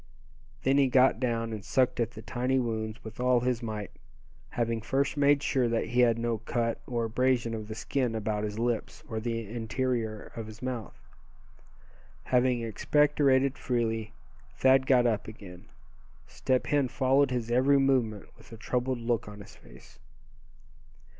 Then he got down, and sucked at the tiny wounds with all his might, having first made sure that he had no cut, or abrasion of the skin about his lips, or the interior of his mouth. Having expectorated freely Thad got up again. Step Hen followed his every movement with a troubled look on his face.